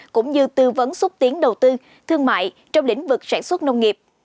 cũng như tư vấn xúc tiến đầu tư thương mại trong lĩnh vực sản xuất nông nghiệp